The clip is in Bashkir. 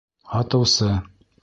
Һатыусы: